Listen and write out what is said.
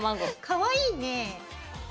かわいいね。